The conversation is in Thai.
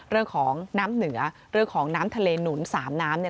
เรื่องของน้ำเหนือเรื่องของน้ำทะเลหนุนสามน้ำเนี่ย